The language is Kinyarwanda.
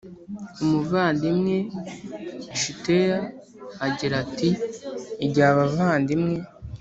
Umuvandimwe Tshiteya agira ati igihe abavandimwe